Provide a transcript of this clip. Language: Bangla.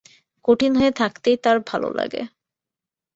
কঠিন হয়ে থাকতেই তাঁর ভালো লাগে।